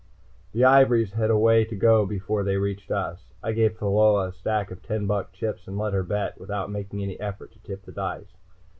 The ivories had a way to go before they reached us. I gave Pheola a stack of ten buck chips and let her bet, without making any effort to tip the dice.